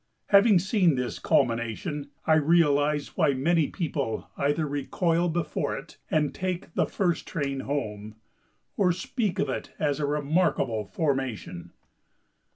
Having seen this culmination, I realize why many people either recoil before it, and take the first train home, or speak of it as a "remarkable formation."